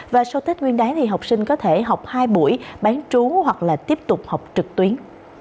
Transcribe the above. và sau tết nguyên đáy học sinh có thể học hai buổi bán trú hoặc tiếp tục học trực tuyến